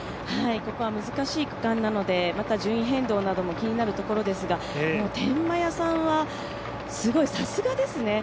ここは難しい区間なのでまた順位変動なども気になるところですが、天満屋さんは、さすがですね。